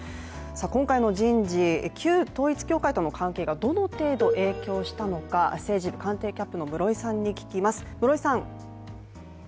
今回の人事、旧統一教会との関係がどの程度影響したのか政治部官邸キャップの室井さんに聞きます。